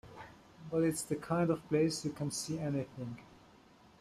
But it's the kind of place you can see anything.